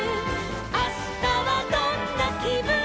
「あしたはどんなきぶんかな」